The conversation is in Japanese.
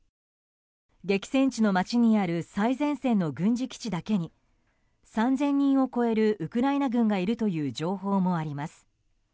激戦地の街にある最前線の軍事基地だけに３０００人を超えるウクライナ軍がいるという情報もあります。